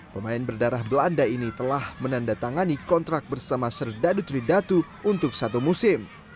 pemain berdarah belanda ini telah menandatangani kontrak bersama serdadu tridatu untuk satu musim